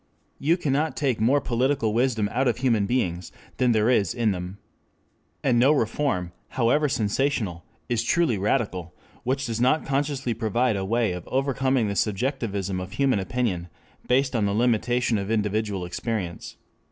You cannot take more political wisdom out of human beings than there is in them. And no reform, however sensational, is truly radical, which does not consciously provide a way of overcoming the subjectivism of human opinion based on the limitation of individual experience.